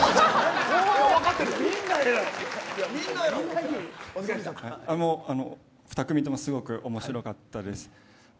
分２組ともすごく面白かったです。